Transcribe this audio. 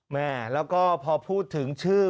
แม่แล้วก็พอพูดถึงชื่อ